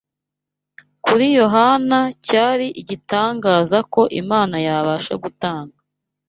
Kuri Yohana, cyari igitangaza ko Imana yabasha gutanga